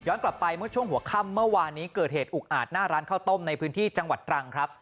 กลับไปเมื่อช่วงหัวค่ำเมื่อวานนี้เกิดเหตุอุกอาจหน้าร้านข้าวต้มในพื้นที่จังหวัดตรังครับ